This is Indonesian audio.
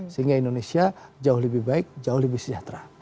sehingga indonesia jauh lebih baik jauh lebih sejahtera